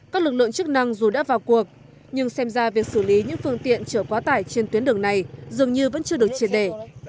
các lực lượng chức năng dù đã vào cuộc nhưng xem ra việc xử lý những phương tiện chở quá tải trên tuyến đường này dường như vẫn chưa được triệt đề